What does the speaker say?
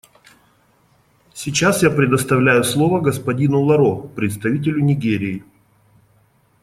Сейчас я предоставляю слово господину Ларо — представителю Нигерии.